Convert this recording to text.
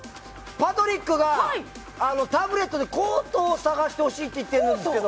パトリックがタブレットでコートを探してほしいと言ってるんですけど。